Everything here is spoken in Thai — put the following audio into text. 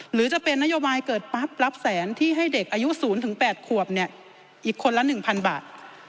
หรือจะเป็นนโยบายเกิดปั๊บรับแสนที่ให้เด็กอายุ๐๘ขวบเนี่ยอีกคนละ๑๐๐บาท